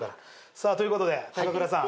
さあということで高倉さん。